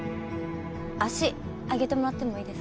足上げてもらってもいいですか？